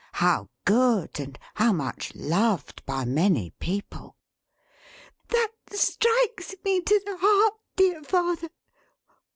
How good, and how much loved, by many people." "That strikes me to the heart, dear father!